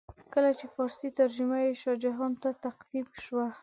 کله چې فارسي ترجمه یې شاه جهان ته تقدیم شوه.